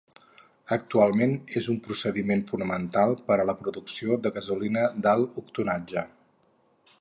Actualment és un procediment fonamental per a la producció de gasolina d'alt octanatge.